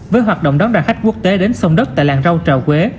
với hoạt động đón đoàn khách quốc tế đến sông đất tại làng rau trà quế